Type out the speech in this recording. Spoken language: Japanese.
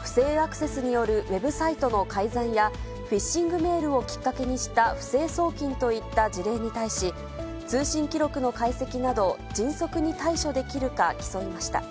不正アクセスによるウェブサイトの改ざんや、フィッシングメールをきっかけにした不正送金といった事例に対し、通信記録の解析など迅速に対処できるか競いました。